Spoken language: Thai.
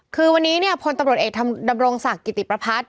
คือวันนี้เนี่ยพตเอกดำรงศักดิ์กิติประพัด